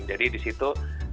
jadi di situ